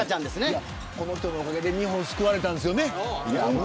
この人のおかげで日本救われたんですよね。